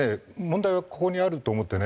問題はここにあると思ってね。